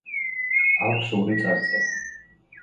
აქვს ორი წარწერა.